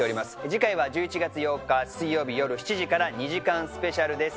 次回は１１月８日水曜日よる７時から２時間スペシャルです。